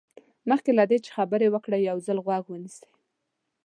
مخکې له دې چې خبرې وکړئ یو ځل غوږ ونیسئ.